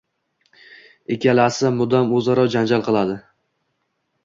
Ikkalasi mudom o‘zaro janjal qiladi.